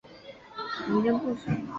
嘉庆君游台湾是台湾的民间故事。